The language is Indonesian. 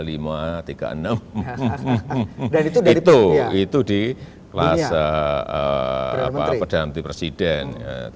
itu itu di kelas perdana menteri presiden